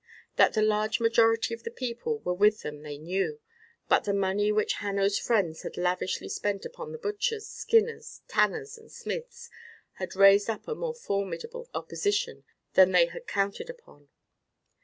That the large majority of the people were with them they knew, but the money which Hanno's friends had lavishly spent among the butchers, skinners, tanners, and smiths had raised up a more formidable opposition than they had counted upon.